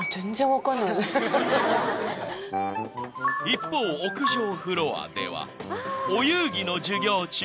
［一方屋上フロアではお遊戯の授業中］